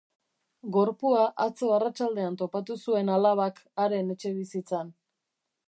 Gorpua atzo arratsaldean topatu zuen alabak haren etxebizitzan.